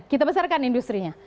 kita besarkan industri nya